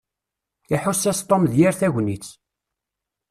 Iḥuss-as Tom d yir tagnit.